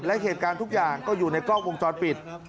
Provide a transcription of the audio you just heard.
และเหตุการณ์ทุกอย่างก็อยู่ในกล้องวงจรปิด